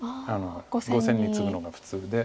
５線にツグのが普通で。